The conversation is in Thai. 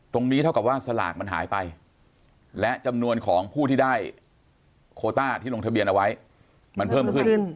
เท่ากับว่าสลากมันหายไปและจำนวนของผู้ที่ได้โคต้าที่ลงทะเบียนเอาไว้มันเพิ่มขึ้น